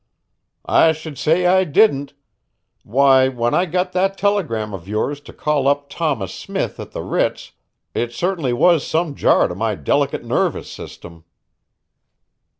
"I should say I didn't. Why, when I got that telegram of yours to call up Thomas Smith at the Ritz it certainly was some jar to my delicate nervous system."